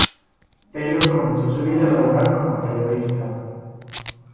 Taylor comenzó su vida laboral como periodista.